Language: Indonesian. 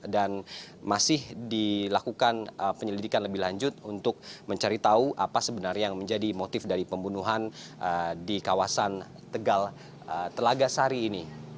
dan masih dilakukan penyelidikan lebih lanjut untuk mencari tahu apa sebenarnya yang menjadi motif dari pembunuhan di kawasan tegal telaga sari ini